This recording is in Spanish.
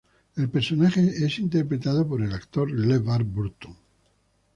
El personaje es interpretado por el actor LeVar Burton.